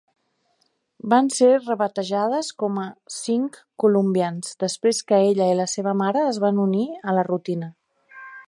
Van ser rebatejades com a "cinc Columbians" després que ella i la seva mare es van unir a la rutina.